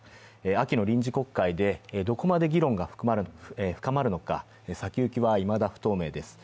秋の臨時国会で、どこまで議論が深まるのか、先行きは、いまだ不透明です。